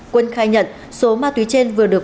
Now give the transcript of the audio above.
quân khai nhận số ma túy trên vừa được